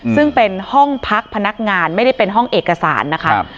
ซึ่งเป็นห้องพักพนักงานไม่ได้เป็นห้องเอกสารนะคะ